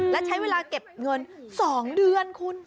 และใช้เวลาเก็บเงิน๒เดือนคุณ